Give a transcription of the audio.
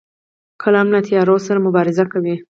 قلم له تیارو سره مبارزه کوي